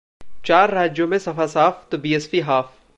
चार राज्यों में सपा साफ तो बीएसपी हाफ